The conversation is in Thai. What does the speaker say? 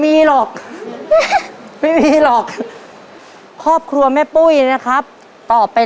แล้วก็ตากใช้แดดธรรมชาติเลยใช่แล้วก็มารีดเหรอครับใช่